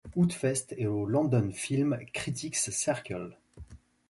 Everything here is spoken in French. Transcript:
Outfest et au London Film Critics' Circle.